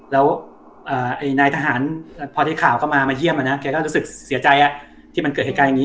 แล้วนายทหารพอได้ข่าวเข้ามามาเยี่ยมแกก็รู้สึกเสียใจที่มันเกิดเหตุการณ์อย่างนี้